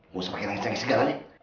jangan pakai rancang rancang segalanya